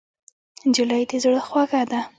نجلۍ زړه خوږه ده.